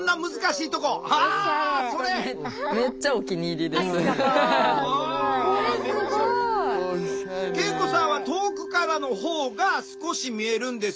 これすごい！圭永子さんは遠くからのほうが少し見えるんですよね。